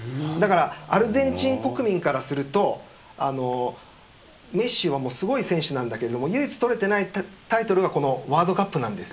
アルゼンチン国民からするとメッシは、すごい選手なんですが唯一取れてないタイトルがワールドカップなんです。